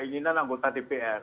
ini permintaan anggota dpr